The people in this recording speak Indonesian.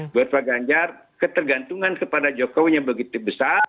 buat pak ganjar ketergantungan kepada jokowi yang begitu besar